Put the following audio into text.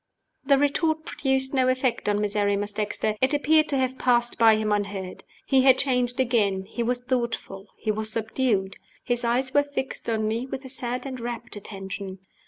The retort produced no effect on Miserrimus Dexter: it appeared to have passed by him unheard. He had changed again; he was thoughtful, he was subdued; his eyes were fixed on me with a sad and rapt attention.